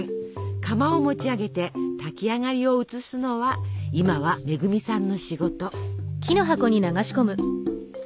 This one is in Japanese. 釜を持ち上げて炊き上がりを移すのは今は恵さんの仕事。